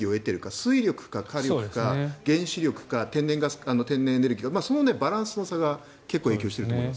水力か、火力か原子力か、天然エネルギーかそのバランスの差が影響していると思います。